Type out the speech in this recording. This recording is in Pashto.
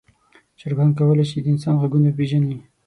چرګان کولی شي د انسان غږونه وپیژني.